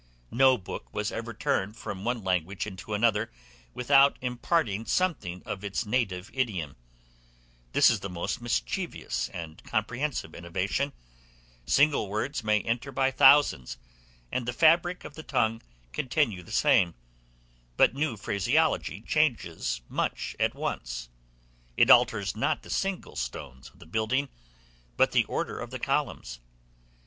No book was ever turned from one language into another, without imparting something of its native idiom; this is the most mischievous and comprehensive innovation; single words may enter by thousands, and the fabric of the tongue continue the same; but new phraseology changes much at once; it alters not the single stones of the building, but the order of the columns.